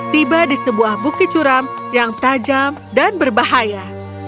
tiba di sebuah bukit curam yang tajam dan berbahaya